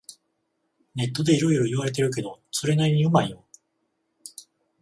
ネットでいろいろ言われてるけど、それなりにうまいよ